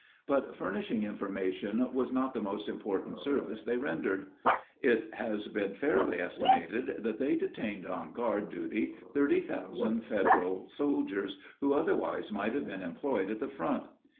But furnishing information was not the most important service they rendered. It has been fairly estimated that they detained on guard duty thirty thousand Federal soldiers, who otherwise might have been employed at the front.